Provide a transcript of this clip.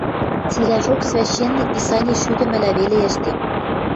Цилӓжок священный писани шӱдӹмӹлӓ веле ӹштем...